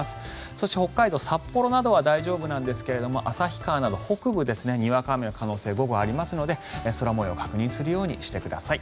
そして北海道札幌などは大丈夫なんですが旭川など北部にわか雨の可能性が午後、ありますので空模様確認するようにしてください。